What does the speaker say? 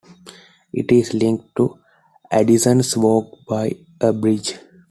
It is linked to Addison's Walk by a bridge.